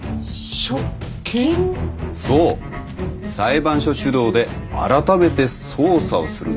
そう裁判所主導であらためて捜査をするんですよ。